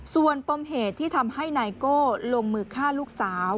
ส่วนปมเหตุที่ทำให้นายโก้ลงมือฆ่าลูกสาว